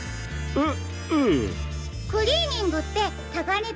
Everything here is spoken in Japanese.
えっ？